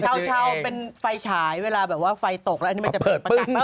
ชาวเป็นไฟฉายเวลาแบบว่าไฟตกแล้วอันนี้มันจะเปลี่ยนประกัน